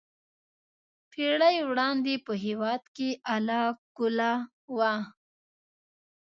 پېړۍ وړاندې په هېواد کې اله ګوله وه.